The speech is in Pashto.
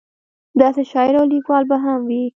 داسې شاعر او لیکوال به هم وي.